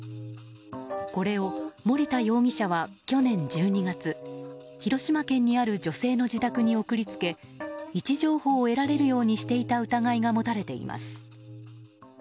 これを森田容疑者は去年１２月広島県にある女性の自宅に送り付け位置情報を得られるようにしていた疑いが持たれています。